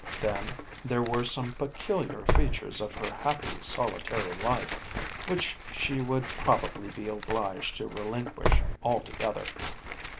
Then there were some peculiar features of her happy solitary life which she would probably be obliged to relinquish altogether.